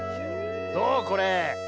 どうこれ？